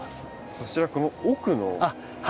そちらこの奥の品種は。